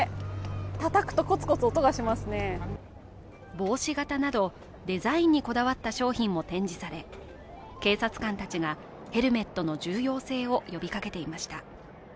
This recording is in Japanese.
帽子形などデザインにこだわった商品も展示され警察官たちがヘルメットの重要性を呼びかけていました。